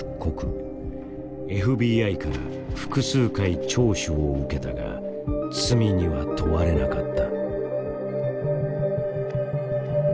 ＦＢＩから複数回聴取を受けたが罪には問われなかった。